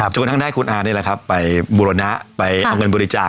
จนกระทั่งได้คุณอานี่แหละครับไปบูรณะไปเอาเงินบริจาค